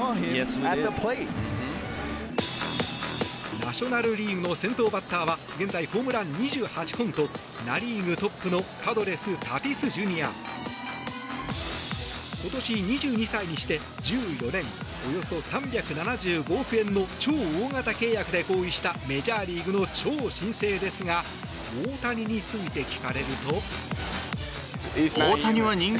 ナショナル・リーグの先頭バッターは現在、ホームラン２８本とナ・リーグトップのパドレス、タティスＪｒ．。今年、２２歳にして１４年およそ３７５億円の超大型契約で合意したメジャーリーグの超新星ですが大谷について聞かれると。